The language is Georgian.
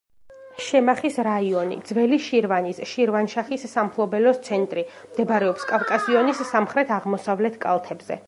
შემახის რაიონი, ძველი შირვანის, შირვანშაჰის სამფლობელოს, ცენტრი, მდებარეობს კავკასიონის სამხრეთ-აღმოსავლეთ კალთებზე.